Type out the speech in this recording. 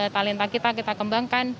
talenta kita kita kembangkan